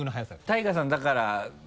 ＴＡＩＧＡさんだから。